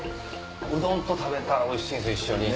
うどんと食べたらおいしいんですよ。